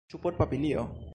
Ĉu por papilio?